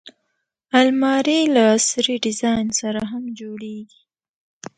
الماري له عصري ډیزاین سره هم جوړیږي